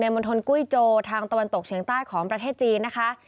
มณฑลกุ้ยโจทางตะวันตกเฉียงใต้ของประเทศจีนนะคะ